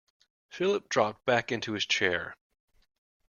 Philip dropped back into his chair.